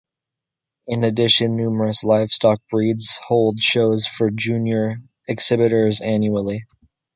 In addition numerous livestock breeds hold shows for junior exhibitors annually.